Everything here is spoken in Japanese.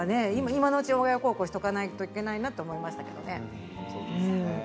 今のうちに親孝行しておかないといけないなと思いますね。